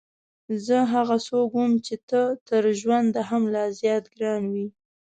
زه هغه څوک وم چې ته تر ژونده هم لا زیات ګران وې.